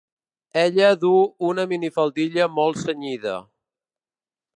Ella du una minifaldilla molt cenyida.